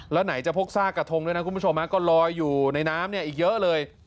แล้วไหนจะพกซากกระทงด้วยนะคุณผู้ชมก็ลอยอยู่ในน้ำเนี่ยอีกเยอะเลย